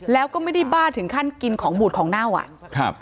แล้วก็ไม่ได้บ้าถึงขั้นกินของบูดของเน่าอ่ะครับ